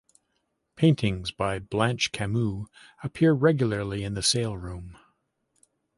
Paintings by Blanche Camus appear regularly in the sale room.